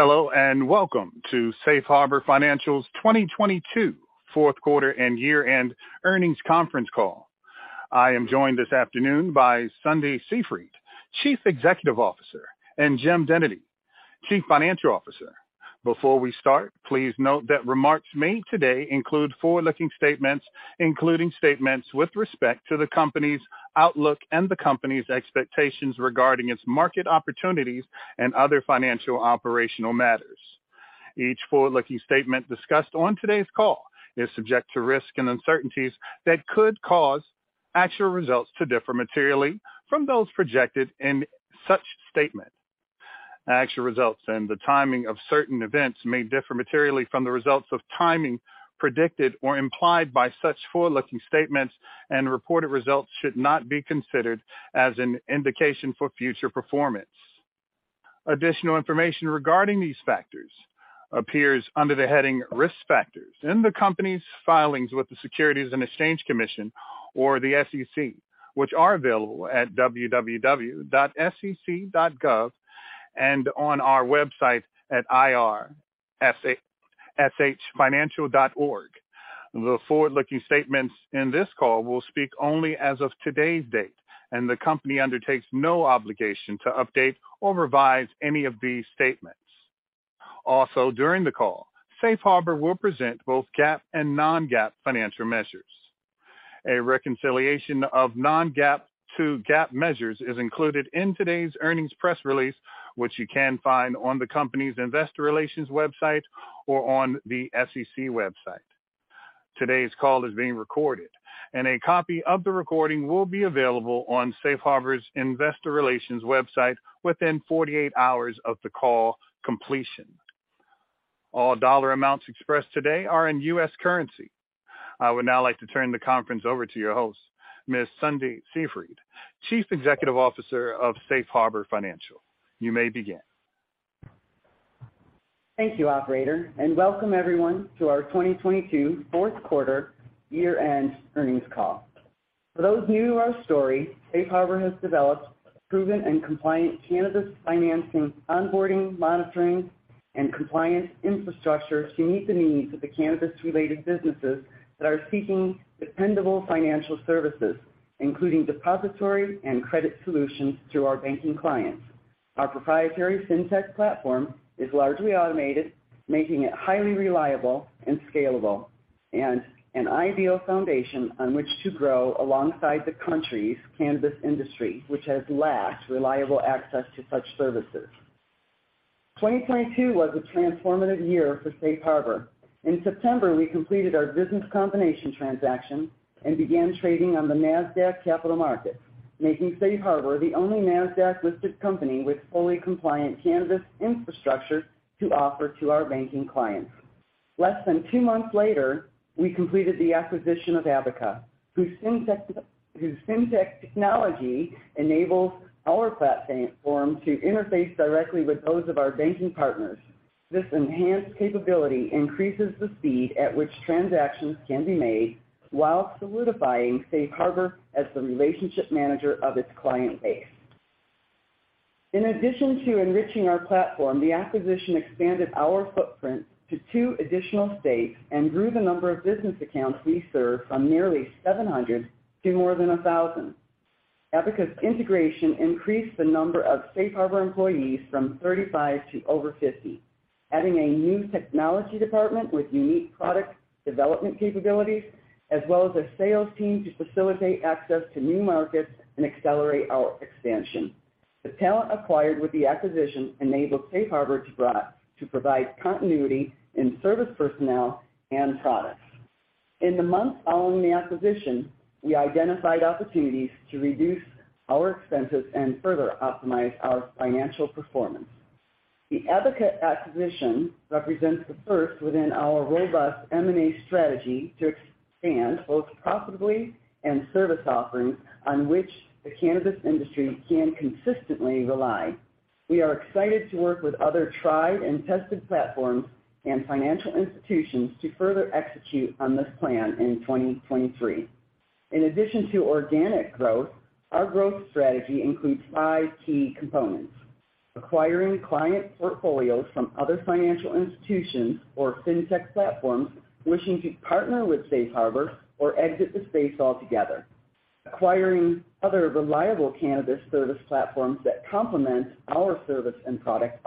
Hello, and welcome to Safe Harbor Financial's 2022 fourth quarter and year-end earnings conference call. I am joined this afternoon by Sundie Seefried, Chief Executive Officer, and Jim Dennedy, Chief Financial Officer. Before we start, please note that remarks made today include forward-looking statements, including statements with respect to the company's outlook and the company's expectations regarding its market opportunities and other financial operational matters. Each forward-looking statement discussed on today's call is subject to risks and uncertainties that could cause actual results to differ materially from those projected in such statement. Actual results and the timing of certain events may differ materially from the results of timing predicted or implied by such forward-looking statements, and reported results should not be considered as an indication for future performance. Additional information regarding these factors appears under the heading Risk Factors in the company's filings with the Securities and Exchange Commission or the SEC, which are available at www.sec.gov and on our website at ir.shfinancial.org. The forward-looking statements in this call will speak only as of today's date, and the company undertakes no obligation to update or revise any of these statements. Also, during the call, Safe Harbor will present both GAAP and non-GAAP financial measures. A reconciliation of non-GAAP to GAAP measures is included in today's earnings press release, which you can find on the company's investor relations website or on the SEC website. Today's call is being recorded, and a copy of the recording will be available on Safe Harbor's investor relations website within 48 hours of the call completion. All dollar amounts expressed today are in US currency. I would now like to turn the conference over to your host, Ms. Sundie Seefried, Chief Executive Officer of Safe Harbor Financial. You may begin. Thank you, operator, and welcome everyone to our 2022 fourth quarter year-end earnings call. For those new to our story, Safe Harbor has developed proven and compliant cannabis financing, onboarding, monitoring, and compliance infrastructure to meet the needs of the cannabis-related businesses that are seeking dependable financial services, including depository and credit solutions through our banking clients. Our proprietary fintech platform is largely automated, making it highly reliable and scalable and an ideal foundation on which to grow alongside the country's cannabis industry, which has lacked reliable access to such services. 2022 was a transformative year for Safe Harbor. In September, we completed our business combination transaction and began trading on the Nasdaq Capital Market, making Safe Harbor the only Nasdaq-listed company with fully compliant cannabis infrastructure to offer to our banking clients. Less than two months later, we completed the acquisition of Abaca, whose fintech technology enables our platform to interface directly with those of our banking partners. This enhanced capability increases the speed at which transactions can be made while solidifying Safe Harbor as the relationship manager of its client base. In addition to enriching our platform, the acquisition expanded our footprint to two additional states and grew the number of business accounts we serve from nearly 700 to more than a thousand. Abaca's integration increased the number of Safe Harbor employees from 35 to over 50, adding a new technology department with unique product development capabilities as well as a sales team to facilitate access to new markets and accelerate our expansion. The talent acquired with the acquisition enabled Safe Harbor to provide continuity in service personnel and products. In the months following the acquisition, we identified opportunities to reduce our expenses and further optimize our financial performance. The Abaca acquisition represents the first within our robust M&A strategy to expand both profitably and service offerings on which the cannabis industry can consistently rely. We are excited to work with other tried and tested platforms and financial institutions to further execute on this plan in 2023. Our growth strategy includes five key components. Acquiring client portfolios from other financial institutions or fintech platforms wishing to partner with Safe Harbor or exit the space altogether. Acquiring other reliable cannabis service platforms that complement our service and product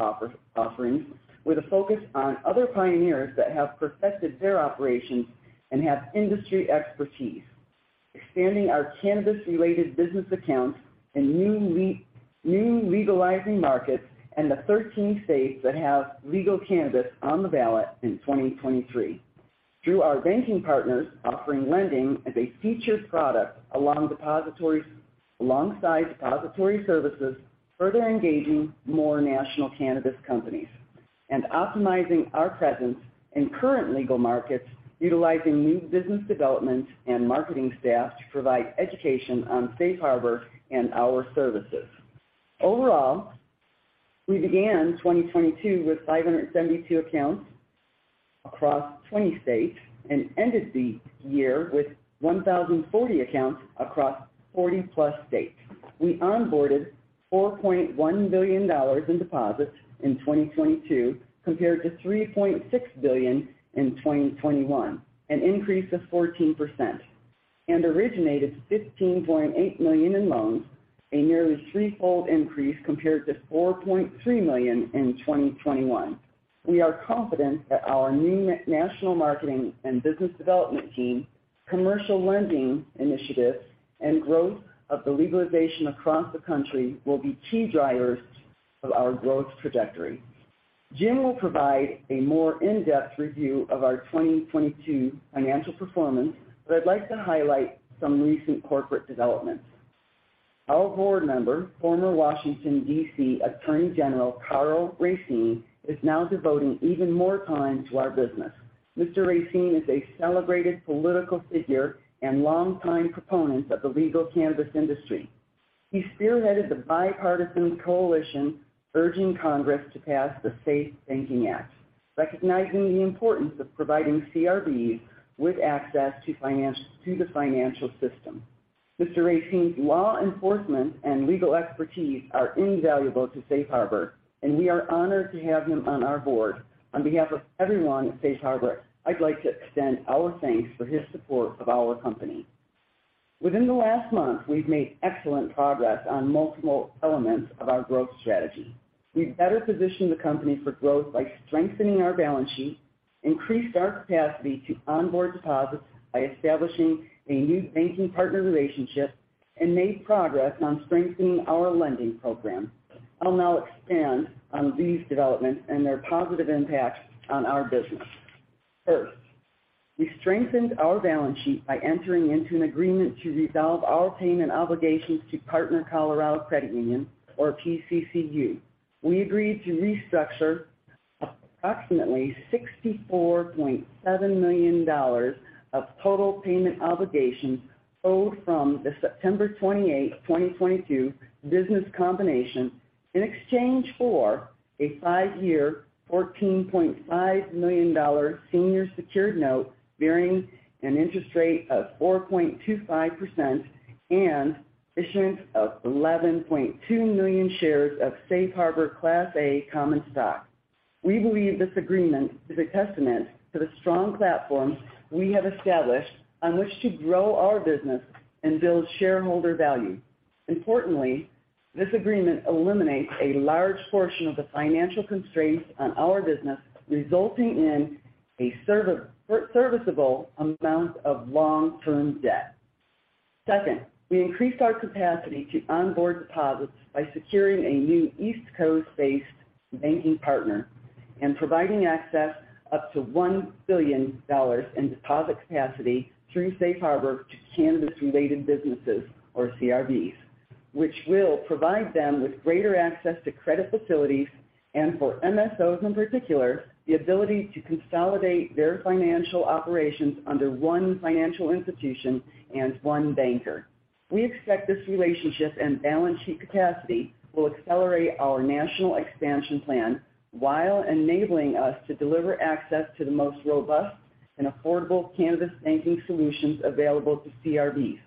offerings with a focus on other pioneers that have perfected their operations and have industry expertise. Expanding our cannabis-related business accounts in new legalizing markets and the 13 states that have legal cannabis on the ballot in 2023. Through our banking partners offering lending as a featured product alongside depository services, further engaging more national cannabis companies. Optimizing our presence in current legal markets, utilizing new business development and marketing staff to provide education on Safe Harbor and our services. Overall, we began 2022 with 572 accounts across 20 states and ended the year with 1,040 accounts across 40+ states. We onboarded $4.1 billion in deposits in 2022 compared to $3.6 billion in 2021, an increase of 14%. Originated $15.8 million in loans, a nearly threefold increase compared to $4.3 million in 2021. We are confident that our new national marketing and business development team, commercial lending initiatives, and growth of the legalization across the country will be key drivers of our growth trajectory. Jim will provide a more in-depth review of our 2022 financial performance, I'd like to highlight some recent corporate developments. Our board member, former Washington D.C. Attorney General, Karl Racine, is now devoting even more time to our business. Mr. Racine is a celebrated political figure and longtime proponent of the legal cannabis industry. He spearheaded the bipartisan coalition urging Congress to pass the SAFE Banking Act, recognizing the importance of providing CRBs with access to the financial system. Mr. Racine's law enforcement and legal expertise are invaluable to Safe Harbor, and we are honored to have him on our board. On behalf of everyone at Safe Harbor, I'd like to extend our thanks for his support of our company. Within the last month, we've made excellent progress on multiple elements of our growth strategy. We've better positioned the company for growth by strengthening our balance sheet, increased our capacity to onboard deposits by establishing a new banking partner relationship, and made progress on strengthening our lending program. I'll now expand on these developments and their positive impacts on our business. First, we strengthened our balance sheet by entering into an agreement to resolve all payment obligations to Partner Colorado Credit Union or PCCU. We agreed to restructure approximately $64.7 million of total payment obligations owed from the September 28th, 2022 business combination in exchange for a five-year, $14.5 million senior secured note bearing an interest rate of 4.25% and issuance of $11.2 million shares of Safe Harbor Class A common stock. We believe this agreement is a testament to the strong platform we have established on which to grow our business and build shareholder value. Importantly, this agreement eliminates a large portion of the financial constraints on our business, resulting in a serviceable amount of long-term debt. Second, we increased our capacity to onboard deposits by securing a new East Coast-based banking partner and providing access up to $1 billion in deposit capacity through Safe Harbor to cannabis-related businesses or CRBs, which will provide them with greater access to credit facilities, and for MSOs in particular, the ability to consolidate their financial operations under one financial institution and one banker. We expect this relationship and balance sheet capacity will accelerate our national expansion plan while enabling us to deliver access to the most robust and affordable cannabis banking solutions available to CRBs.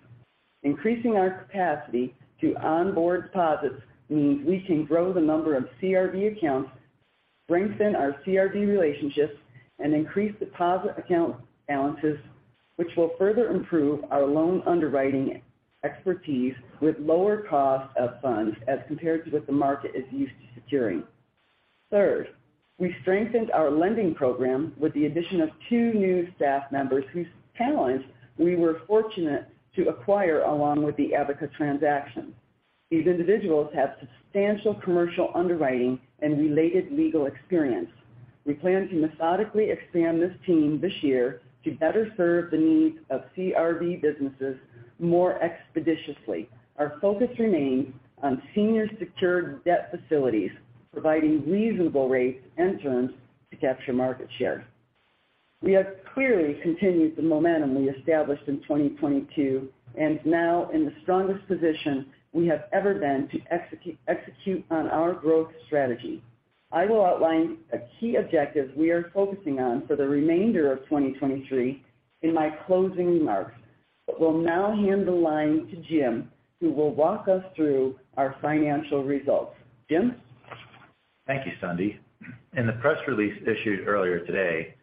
Increasing our capacity to onboard deposits means we can grow the number of CRB accounts, strengthen our CRB relationships, and increase deposit account balances, which will further improve our loan underwriting expertise with lower cost of funds as compared to what the market is used to securing. Third, we strengthened our lending program with the addition of two new staff members whose talent we were fortunate to acquire along with the Abaca transaction. These individuals have substantial commercial underwriting and related legal experience. We plan to methodically expand this team this year to better serve the needs of CRB businesses more expeditiously. Our focus remains on senior secured debt facilities, providing reasonable rates and terms to capture market share. We have clearly continued the momentum we established in 2022 and now in the strongest position we have ever been to execute on our growth strategy. I will outline a key objective we are focusing on for the remainder of 2023 in my closing remarks. Will now hand the line to Jim, who will walk us through our financial results. Jim? Thank you, Sundie. In the press release issued earlier today,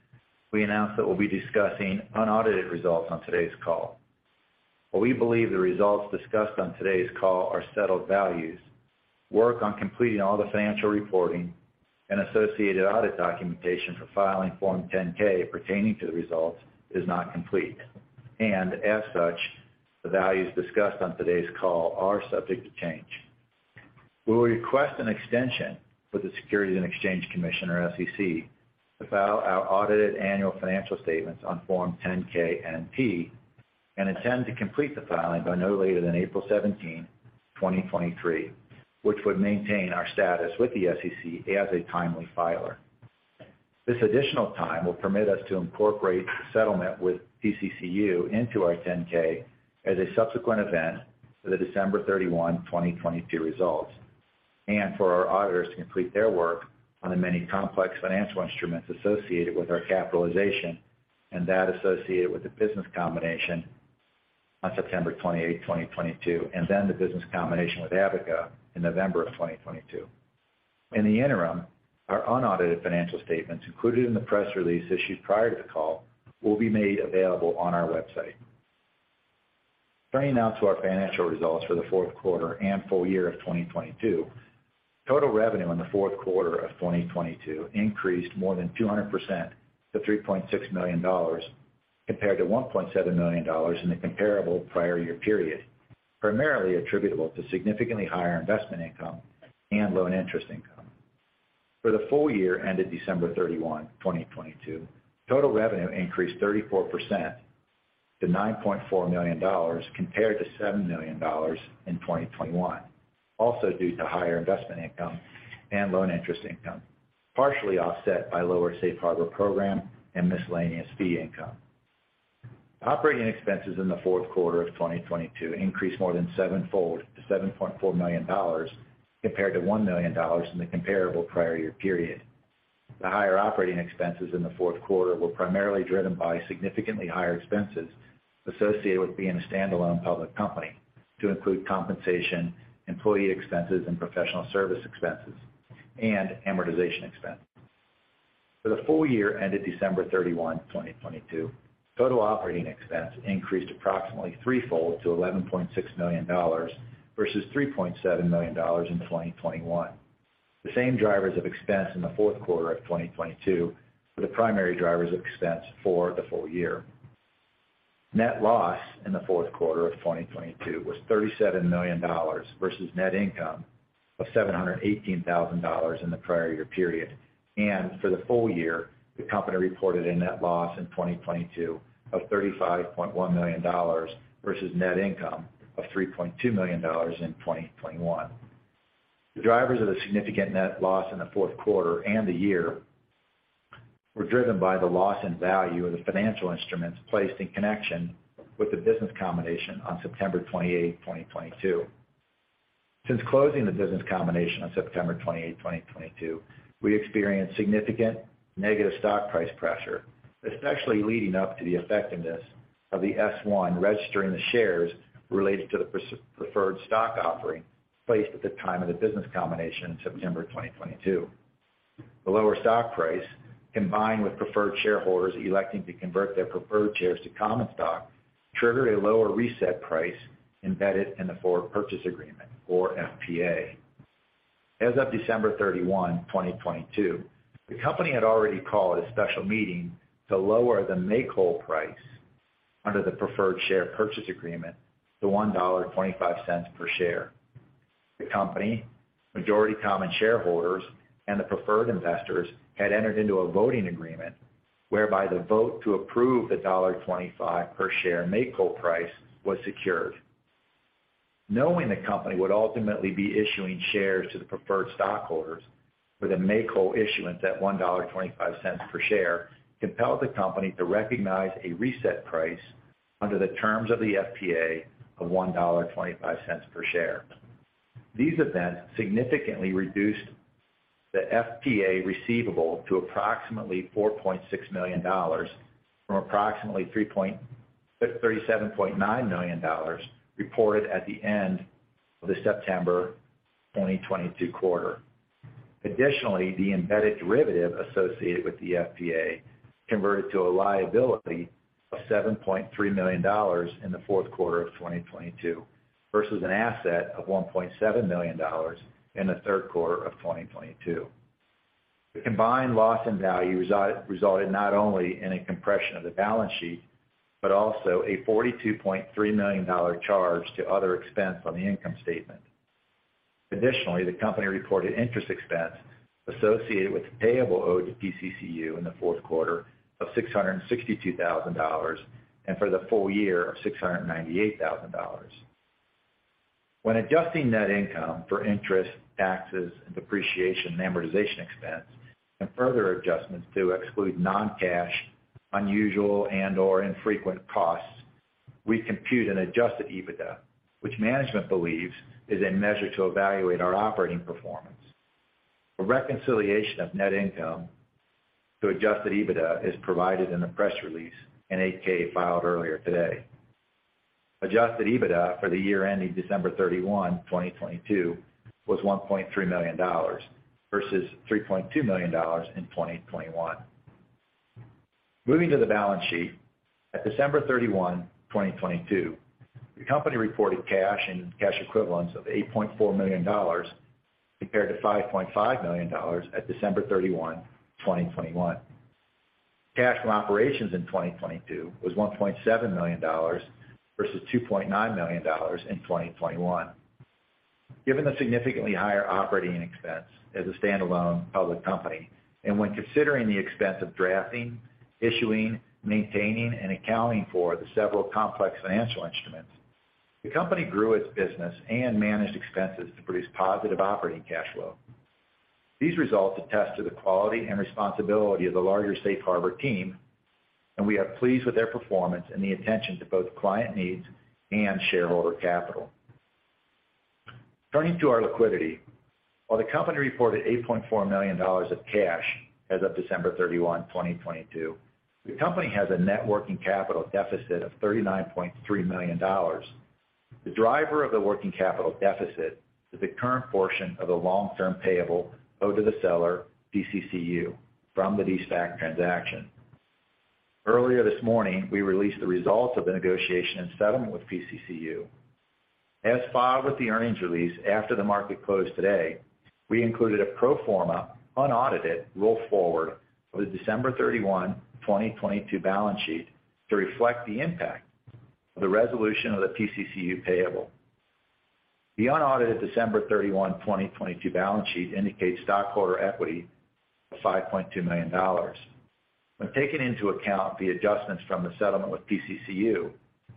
we announced that we'll be discussing unaudited results on today's call. While we believe the results discussed on today's call are settled values, work on completing all the financial reporting and associated audit documentation for filing Form 10-K pertaining to the results is not complete, and as such, the values discussed on today's call are subject to change. We will request an extension with the Securities and Exchange Commission, or SEC, to file our audited annual financial statements on Form 10-K and P and intend to complete the filing by no later than April 17, 2023, which would maintain our status with the SEC as a timely filer. This additional time will permit us to incorporate the settlement with PCCU into our 10-K as a subsequent event for the December 31, 2022 results. For our auditors to complete their work on the many complex financial instruments associated with our capitalization and that associated with the business combination on September 28, 2022, and then the business combination with Abaca in November 2022. In the interim, our unaudited financial statements included in the press release issued prior to the call will be made available on our website. Turning now to our financial results for the fourth quarter and full year of 2022. Total revenue in the fourth quarter of 2022 increased more than 200% to $3.6 million compared to $1.7 million in the comparable prior year period, primarily attributable to significantly higher investment income and loan interest income. For the full year ended December 31, 2022, total revenue increased 34% to $9.4 million compared to $7 million in 2021. Also due to higher investment income and loan interest income, partially offset by lower Safe Harbor program and miscellaneous fee income. Operating expenses in the fourth quarter of 2022 increased more than seven-fold to $7.4 million compared to $1 million in the comparable prior year period. The higher operating expenses in the fourth quarter were primarily driven by significantly higher expenses associated with being a stand-alone public company to include compensation, employee expenses and professional service expenses and amortization expense. For the full year ended December 31, 2022, total operating expense increased approximately three-fold to $11.6 million versus $3.7 million in 2021. The same drivers of expense in the fourth quarter of 2022 were the primary drivers of expense for the full year. Net loss in the fourth quarter of 2022 was $37 million versus net income of $718,000 in the prior year period. For the full year, the company reported a net loss in 2022 of $35.1 million versus net income of $3.2 million in 2021. The drivers of the significant net loss in the fourth quarter and the year were driven by the loss in value of the financial instruments placed in connection with the business combination on September 28, 2022. Since closing the business combination on September 28, 2022, we experienced significant negative stock price pressure, especially leading up to the effectiveness of the S-1 registering the shares related to the preferred stock offering placed at the time of the business combination in September 2022. The lower stock price, combined with preferred shareholders electing to convert their preferred shares to common stock, triggered a lower reset price embedded in the forward purchase agreement or FPA. As of December 31, 2022, the company had already called a special meeting to lower the make-whole price under the preferred share purchase agreement to $1.25 per share. The company, majority common shareholders and the preferred investors had entered into a voting agreement whereby the vote to approve the $1.25 per share make-whole price was secured. Knowing the company would ultimately be issuing shares to the preferred stockholders with a make-whole issuance at $1.25 per share compelled the company to recognize a reset price under the terms of the FPA of $1.25 per share. These events significantly reduced the FPA receivable to approximately $4.6 million from approximately $37.9 million reported at the end of the September 2022 quarter. The embedded derivative associated with the FPA converted to a liability of $7.3 million in the fourth quarter of 2022 versus an asset of $1.7 million in the third quarter of 2022. The combined loss in value resulted not only in a compression of the balance sheet, but also a $42.3 million charge to other expense on the income statement. Additionally, the company reported interest expense associated with the payable owed to PCCU in the fourth quarter of $662,000, and for the full year of $698,000. When adjusting net income for interest, taxes, and depreciation and amortization expense and further adjustments to exclude non-cash, unusual and/or infrequent costs, we compute an Adjusted EBITDA, which management believes is a measure to evaluate our operating performance. A reconciliation of net income to Adjusted EBITDA is provided in the press release and 8-K filed earlier today. Adjusted EBITDA for the year ending December 31, 2022 was $1.3 million versus $3.2 million in 2021. Moving to the balance sheet. At December 31, 2022, the company reported cash and cash equivalents of $8.4 million compared to $5.5 million at December 31, 2021. Cash from operations in 2022 was $1.7 million versus $2.9 million in 2021. Given the significantly higher operating expense as a stand-alone public company, and when considering the expense of drafting, issuing, maintaining, and accounting for the several complex financial instruments, the company grew its business and managed expenses to produce positive operating cash flow. These results attest to the quality and responsibility of the larger Safe Harbor team, and we are pleased with their performance and the attention to both client needs and shareholder capital. Turning to our liquidity. While the company reported $8.4 million of cash as of December 31, 2022, the company has a net working capital deficit of $39.3 million. The driver of the working capital deficit is the current portion of the long-term payable owed to the seller, PCCU, from the de-SPAC transaction. Earlier this morning, we released the results of the negotiation and settlement with PCCU. As filed with the earnings release after the market closed today, we included a pro forma unaudited roll forward for the December 31, 2022 balance sheet to reflect the impact of the resolution of the PCCU payable. The unaudited December 31, 2022 balance sheet indicates stockholder equity of $5.2 million. When taking into account the adjustments from the settlement with PCCU,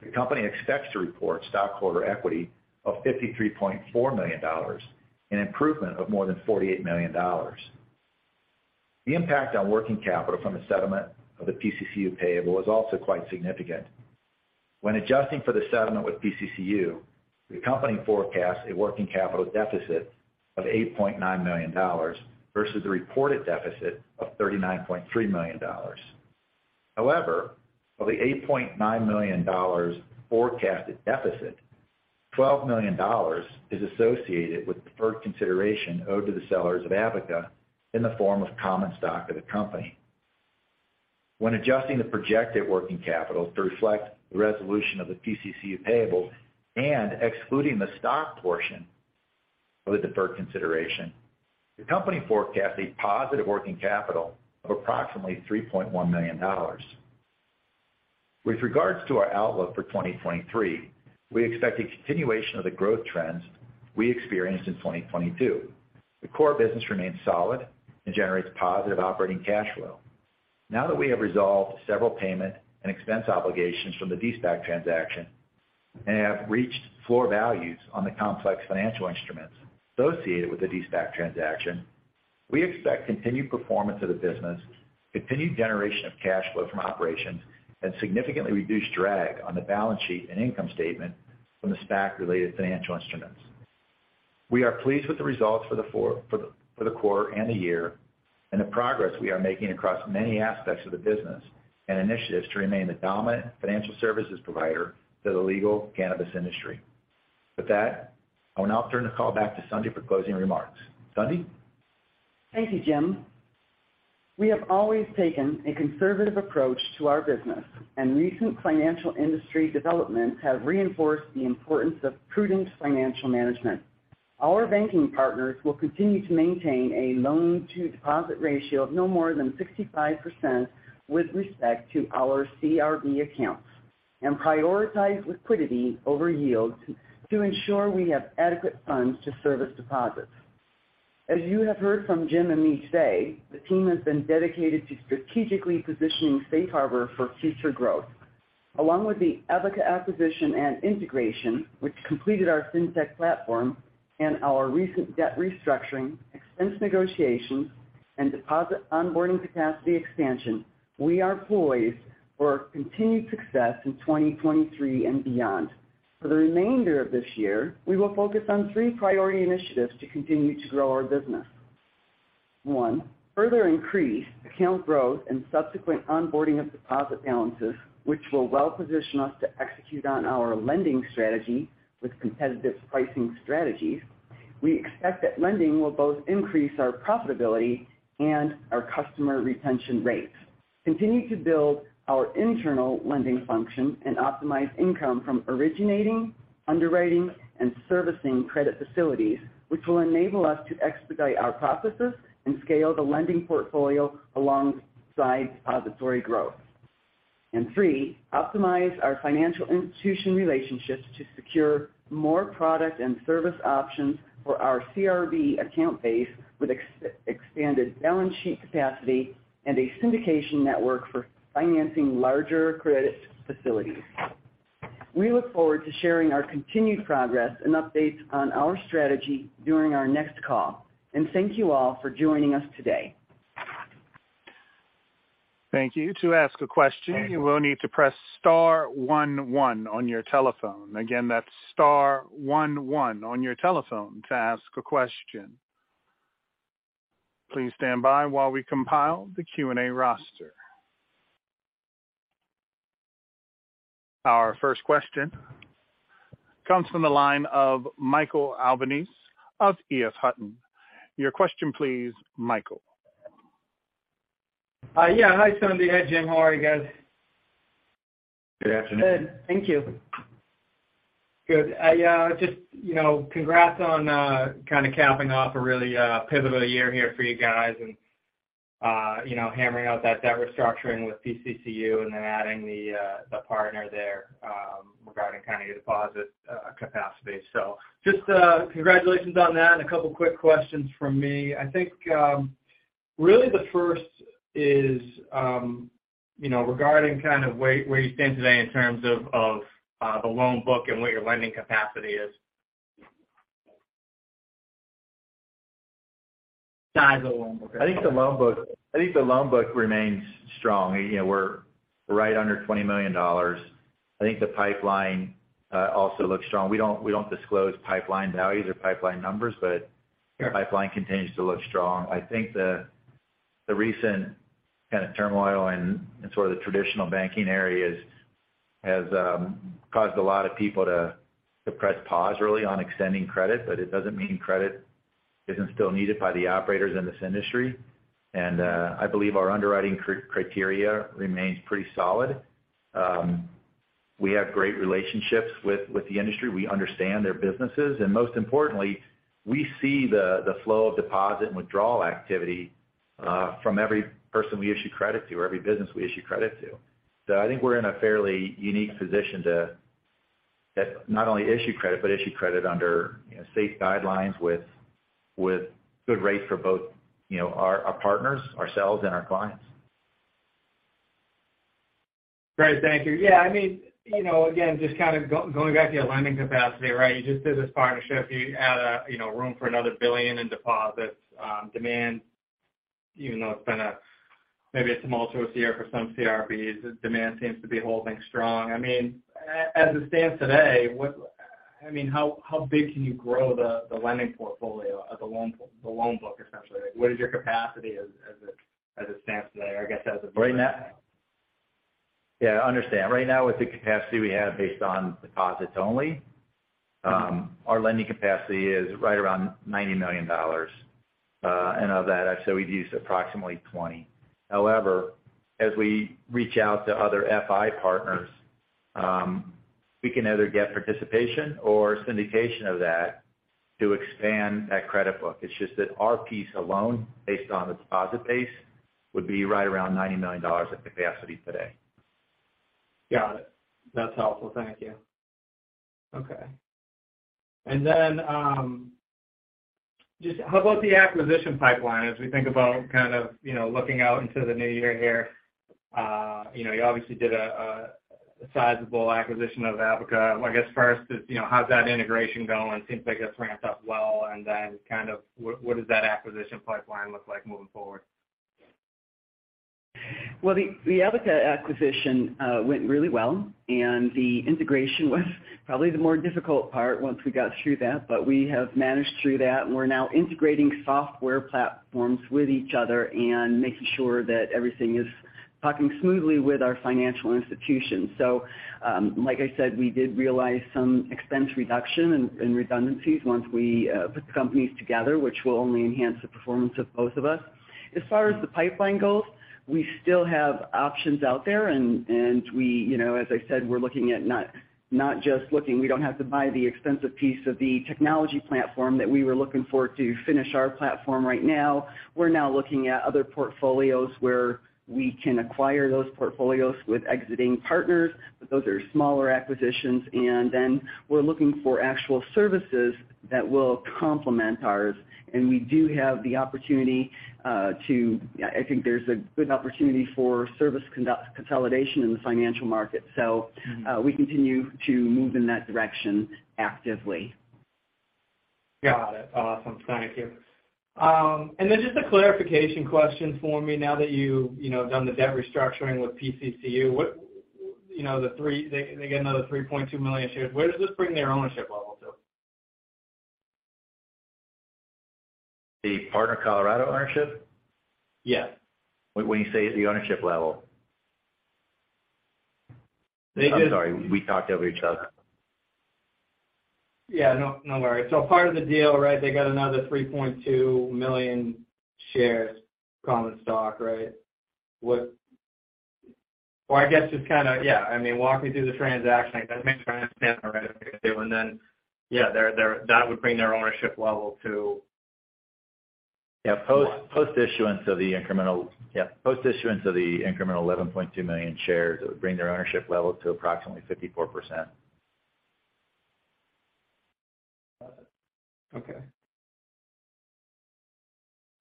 the company expects to report stockholder equity of $53.4 million, an improvement of more than $48 million. The impact on working capital from the settlement of the PCCU payable is also quite significant. When adjusting for the settlement with PCCU, the company forecasts a working capital deficit of $8.9 million versus the reported deficit of $39.3 million. However, of the $8.9 million forecasted deficit, $12 million is associated with deferred consideration owed to the sellers of Abaca in the form of common stock of the company. When adjusting the projected working capital to reflect the resolution of the PCCU payable and excluding the stock portion of the deferred consideration, the company forecasts a positive working capital of approximately $3.1 million. With regards to our outlook for 2023, we expect a continuation of the growth trends we experienced in 2022. The core business remains solid and generates positive operating cash flow. Now that we have resolved several payment and expense obligations from the de-SPAC transaction and have reached floor values on the complex financial instruments associated with the de-SPAC transaction, we expect continued performance of the business, continued generation of cash flow from operations and significantly reduced drag on the balance sheet and income statement from the SPAC-related financial instruments. We are pleased with the results for the quarter and the year, and the progress we are making across many aspects of the business and initiatives to remain the dominant financial services provider to the legal cannabis industry. With that, I will now turn the call back to Sundie for closing remarks. Sundie? Thank you, Jim. We have always taken a conservative approach to our business. Recent financial industry developments have reinforced the importance of prudent financial management. Our banking partners will continue to maintain a loan to deposit ratio of no more than 65% with respect to our CRB accounts and prioritize liquidity over yields to ensure we have adequate funds to service deposits. As you have heard from Jim and me today, the team has been dedicated to strategically positioning Safe Harbor for future growth. Along with the Abaca acquisition and integration, which completed our fintech platform and our recent debt restructuring, expense negotiations, and deposit onboarding capacity expansion, we are poised for continued success in 2023 and beyond. For the remainder of this year, we will focus on three priority initiatives to continue to grow our business. One, further increase account growth and subsequent onboarding of deposit balances, which will well position us to execute on our lending strategy with competitive pricing strategies. We expect that lending will both increase our profitability and our customer retention rates. Continue to build our internal lending function and optimize income from originating, underwriting, and servicing credit facilities, which will enable us to expedite our processes and scale the lending portfolio alongside depository growth. Three, optimize our financial institution relationships to secure more product and service options for our CRB account base with expanded balance sheet capacity and a syndication network for financing larger credit facilities. We look forward to sharing our continued progress and updates on our strategy during our next call, and thank you all for joining us today. Thank you. To ask a question, you will need to press star one one on your telephone. Again, that's star one one on your telephone to ask a question. Please stand by while we compile the Q&A roster. Our first question comes from the line of Michael Albanese of EF Hutton. Your question please, Michael. Yeah. Hi, Sundie. Hi, Jim. How are you guys? Good afternoon. Good. Thank you. Good. I, just, you know, congrats on kind of capping off a really pivotal year here for you guys and, you know, hammering out that debt restructuring with PCCU and then adding the partner there, regarding kind of your deposit capacity. Just, congratulations on that. A couple quick questions from me. I think, Really the first is, you know, regarding kind of where you stand today in terms of, the loan book and what your lending capacity is. Size of the loan book. I think the loan book remains strong. You know, we're right under $20 million. I think the pipeline also looks strong. We don't disclose pipeline values or pipeline numbers. Sure. -the pipeline continues to look strong. I think the recent kind of turmoil in sort of the traditional banking areas has caused a lot of people to press pause really on extending credit, but it doesn't mean credit isn't still needed by the operators in this industry. I believe our underwriting criteria remains pretty solid. We have great relationships with the industry. We understand their businesses, and most importantly, we see the flow of deposit and withdrawal activity from every person we issue credit to or every business we issue credit to. I think we're in a fairly unique position to not only issue credit, but issue credit under, you know, safe guidelines with good rates for both, you know, our partners, ourselves and our clients. Great. Thank you. I mean, you know, again, just kind of going back to your lending capacity, right? You just did this partnership. You add, you know, room for another billion in deposits. Demand, even though it's been a, maybe a tumultuous year for some CRBs, demand seems to be holding strong. As it stands today, how big can you grow the lending portfolio or the loan pool, the loan book, essentially? What is your capacity as it stands today, or I guess as of right now? Yeah, I understand. Right now with the capacity we have based on deposits only. Our lending capacity is right around $90 million. Of that, I said we'd use approximately $20 million. However, as we reach out to other FI partners, we can either get participation or syndication of that to expand that credit book. It's just that our piece alone, based on the deposit base, would be right around $90 million at capacity today. Got it. That's helpful. Thank you. Okay. Then, just how about the acquisition pipeline as we think about kind of, you know, looking out into the new year here? You know, you obviously did a sizable acquisition of Abaca. I guess first is, you know, how's that integration going? Seems like that's ramped up well. Then kind of what does that acquisition pipeline look like moving forward? The Abaca acquisition went really well and the integration was probably the more difficult part once we got through that. We have managed through that, and we're now integrating software platforms with each other and making sure that everything is talking smoothly with our financial institutions. Like I said, we did realize some expense reduction and redundancies once we put the companies together, which will only enhance the performance of both of us. As far as the pipeline goes, we still have options out there and we, you know, as I said, we're looking at not just looking. We don't have to buy the expensive piece of the technology platform that we were looking for to finish our platform right now. We're now looking at other portfolios where we can acquire those portfolios with exiting partners, but those are smaller acquisitions. Then we're looking for actual services that will complement ours. We do have the opportunity. I think there's a good opportunity for service consolidation in the financial market. We continue to move in that direction actively. Got it. Awesome. Thank you. Then just a clarification question for me now that you know, have done the debt restructuring with PCCU. What, you know, they get another 3.2 million shares. Where does this bring their ownership level to? The Partner Colorado ownership? Yeah. When you say the ownership level. They did- I'm sorry, we talked over each other. Yeah, no worries. Part of the deal, right? They got another 3.2 million shares common stock, right? Well, I guess just kinda, yeah, I mean, walk me through the transaction. Make sure I understand it right. Then, yeah, their that would bring their ownership level to what? Post issuance of the incremental 11.2 million shares would bring their ownership level to approximately 54%. Got it. Okay.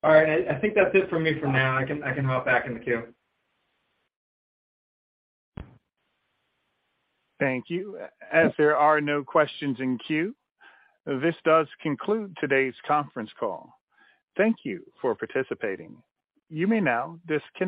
All right. I think that's it for me for now. I can hop back in the queue. Thank you. As there are no questions in queue, this does conclude today's conference call. Thank you for participating. You may now disconnect.